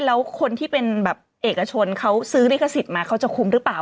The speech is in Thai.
แล้วคนที่เป็นแบบเอกชนเขาซื้อลิขสิทธิ์มาเขาจะคุ้มหรือเปล่า